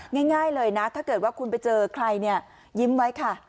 ง่ายเลยนะถ้าเกิดว่าคุณไปเจอใครเนี่ยยิ้มไว้ค่ะ